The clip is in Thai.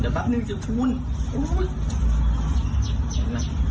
ไม่ใช่ครับผมขอดูเองนะบ่